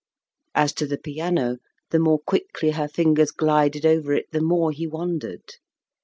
As to the piano, the more quickly her fingers glided over it the more he wondered.